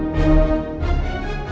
kephanyakan di sisi hama